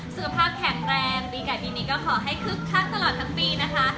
สุขภาพแข็งแรงปีไก่ปีนี้ก็ขอให้คึกคักตลอดทั้งปีนะคะ